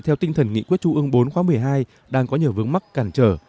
theo tinh thần nghị quyết trung ương bốn khóa một mươi hai đang có nhiều vướng mắc cản trở